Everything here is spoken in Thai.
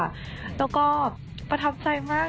แล้วก็ประทับใจมาก